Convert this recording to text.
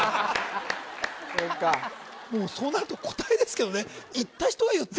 そうかもうそうなると答えですけどね